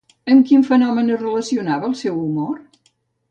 Amb quin fenomen es relacionava el seu humor?